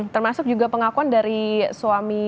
termasuk juga pengakuan dari suami